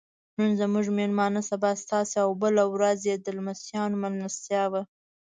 نن زموږ میلمه سبا ستاسې او بله ورځ یې د لمسیانو میلمستیا وه.